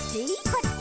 「こっち」